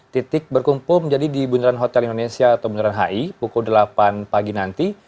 titik berkumpul menjadi di bundaran hotel indonesia atau bundaran hi pukul delapan pagi nanti